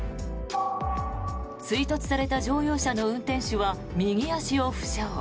追突された乗用車の運転手は右足を負傷。